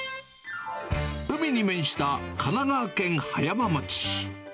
海に面した神奈川県葉山町。